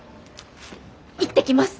行ってきます。